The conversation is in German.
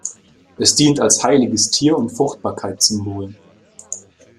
Es dient als heiliges Tier und Fruchtbarkeitssymbol.